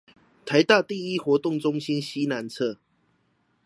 臺大第一活動中心西南側